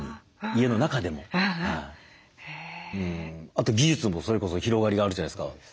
あと技術もそれこそ広がりがあるじゃないですか。